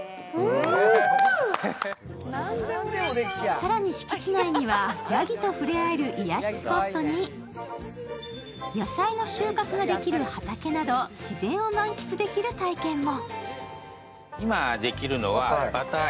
更に敷地内にはやぎと触れ合える癒やしスポットに野菜の収穫ができる畑など自然を満喫できる体験も。